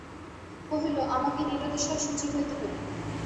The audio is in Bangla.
কহিল, আমাকে নিরতিশয় শুচি হইতে হইবে।